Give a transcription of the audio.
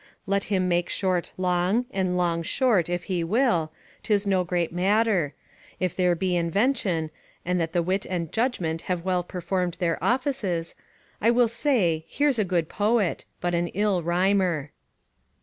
Let him make short long, and long short if he will, 'tis no great matter; if there be invention, and that the wit and judgment have well performed their offices, I will say, here's a good poet, but an ill rhymer.